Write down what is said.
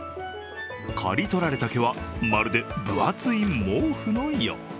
刈り取られた毛はまるで分厚い毛布のよう。